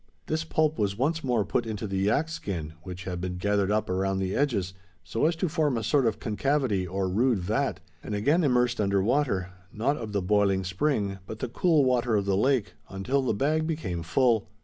This pulp was once more put into the yak skin which had been gathered up around the edges so as to form a sort of concavity or rude vat and again immersed under water not of the boiling spring, but the cool water of the lake until the bag became full.